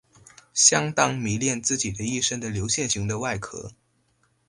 相当迷恋自己的一身的流线型的外壳。